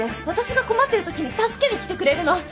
私が困ってる時に助けに来てくれるの。